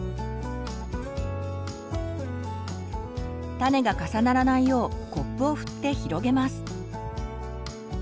種が重ならないようコップを振って広げます。